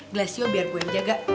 glasio biar gue yang jaga